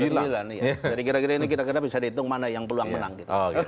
ada sembilan jadi kira kira ini kita bisa dihitung mana yang peluang menang